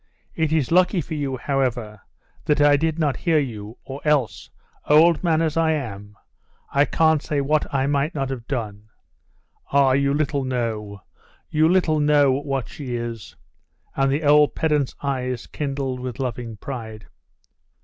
It is lucky for you, however, that I did not hear you, or else, old man as I am, I can't say what I might not have done. Ah! you little know, you little know what she is. and the old pedant's eyes kindled with loving pride.